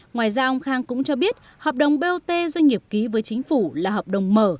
ngoài ra ông khang cũng cho biết hợp đồng bot doanh nghiệp ký với chính phủ là hợp đồng mở